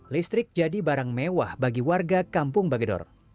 listrik jadi barang mewah bagi warga kampung bagedor